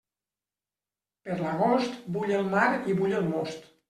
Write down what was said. Per l'agost, bull el mar i bull el most.